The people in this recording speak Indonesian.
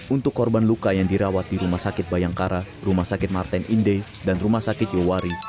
untuk korban luka yang dirawat di rumah sakit bayangkara rumah sakit martin inde dan rumah sakit yowari